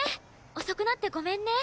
遅くなってごめんね。